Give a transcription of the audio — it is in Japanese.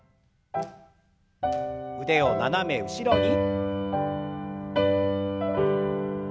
腕を斜め後ろに。